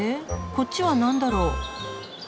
こっちはなんだろう？